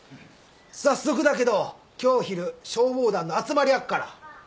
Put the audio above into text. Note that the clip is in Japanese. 早速だけど今日昼消防団の集まりあっから。